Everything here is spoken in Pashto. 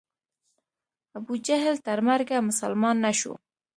ابوجهل تر مرګه مسلمان نه شو.